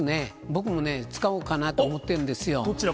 僕もね、使おうかなと思ってるんですよね。